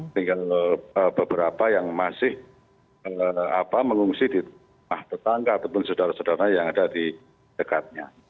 tinggal beberapa yang masih mengungsi di rumah tetangga ataupun saudara saudara yang ada di dekatnya